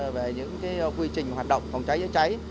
về những quy trình hoạt động phòng cháy cháy